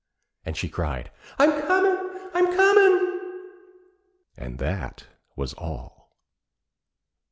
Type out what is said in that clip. And she cried: 'I'm comin'! I'm comin'!' And that was all.